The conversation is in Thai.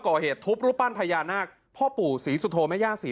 ก่อเหตุทุบรูปปั้นพญานาคพ่อปู่ศรีสุโธแม่ย่าศรี